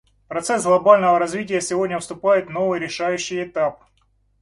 Процесс глобального развития сегодня вступает в новый решающий этап.